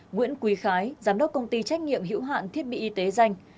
nguyễn quý khái giám đốc công ty trách nhiệm hữu hạn thiết bị y tế danh